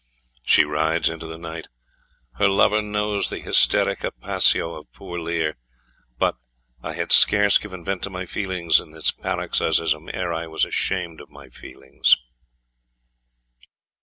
She rides into the night, her lover knows the hysterica passio of poor Lear, but "I had scarce given vent to my feelings in this paroxysm ere I was ashamed of my weakness."